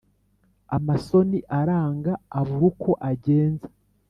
Amasoni aranga abura uko agenza